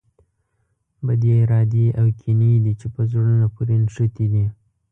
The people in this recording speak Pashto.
بدې ارادې او کینې دي چې په زړونو پورې نښتي دي.